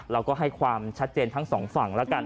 เราก็ให้ความชัดเจนทั้งสองฝั่งแล้วกัน